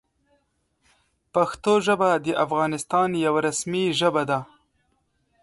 پښتو ژبه د افغانستان یوه رسمي ژبه ده.